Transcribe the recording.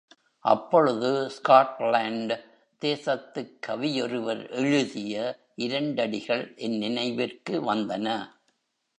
அப்பொழுது ஸ்காட்லண்டு தேசத்துக் கவியொருவர் எழுதிய இரண்டடிகள் என் நினைவிற்கு வந்தன.